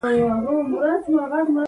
زه په ژوند باندې میینه، د ارواوو انځورګره